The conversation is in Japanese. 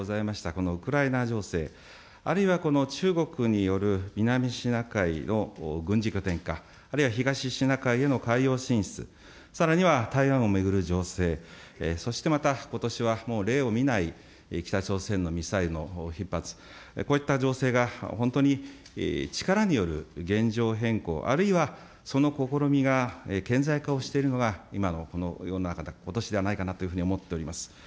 このウクライナ情勢、あるいはこの中国による南シナ海の軍事拠点化、あるいは東シナ海への海洋進出、さらには台湾を巡る情勢、そしてまたことしはもう例を見ない北朝鮮のミサイルの頻発、こういった情勢が本当に力による現状変更、あるいはその試みが顕在化をしているのが、今のこの世の中、ことしではないかなと思っております。